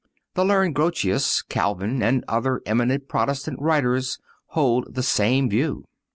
The learned Grotius, Calvin and other eminent Protestant writers hold the same view.